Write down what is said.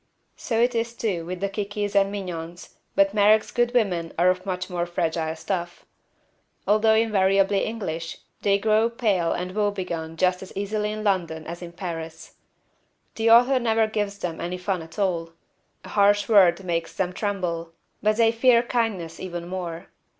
So it is, too, with the Kikis and Mignons, but Merrick's good women are of much more fragile stuff. Although invariably English, they grow pale and woebegone just as easily in London as in Paris. The author never gives them any fun at all. A harsh word makes them tremble, but they fear kindness even more.